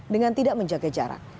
dengan tidak menjaga jarak